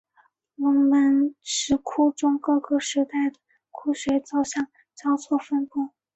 龙门石窟中各个时期的窟龛造像交错分布。